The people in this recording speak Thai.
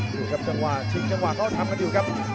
ดูครับจังหวะชิงจังหวะเขาทำกันอยู่ครับ